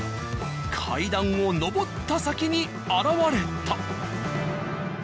階段を上った先に現れた。